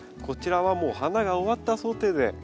こちらはもう花が終わった想定で。